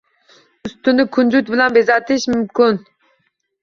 Ustini kunjut bilan bezashingiz mumkin